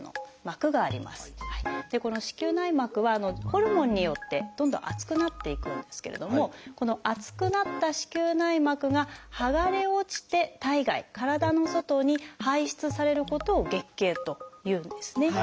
この子宮内膜はホルモンによってどんどん厚くなっていくんですけれどもこの厚くなった子宮内膜が剥がれ落ちて体外体の外に排出されることを「月経」というんですね。